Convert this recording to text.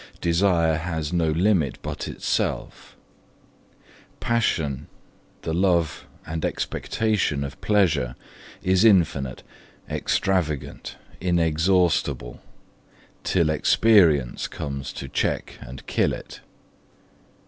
Desire has no limit but itself. Passion, the love and expectation of pleasure, is infinite, extravagant, inexhaustible, till experience comes to check and kill it.